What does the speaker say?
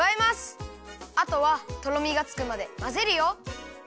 あとはとろみがつくまでまぜるよ。